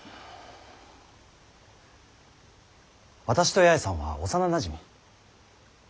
私と八重さんは幼なじみ。